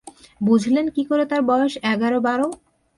বুঝলেন কী করে তার বয়স এগার-বার?